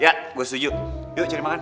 ya gue suju yuk cari makan